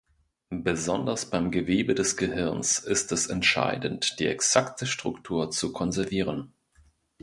Besonders beim Gewebe des Gehirns ist es entscheidend, die exakte Struktur zu konservieren.